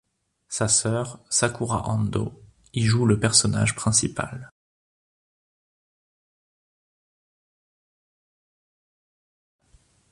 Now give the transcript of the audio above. Sa sœur, Sakura Ando, y joue le personnage principal.